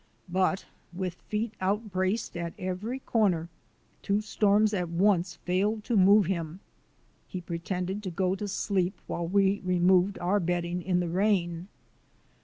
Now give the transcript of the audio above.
But with feet outbraced at every corner, two storms at once failed to move him. He pre tended to go to sleep while we removed our bedding in the rain.